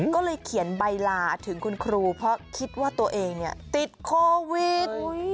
ก็เลยเขียนใบลาถึงคุณครูเพราะคิดว่าตัวเองติดโควิด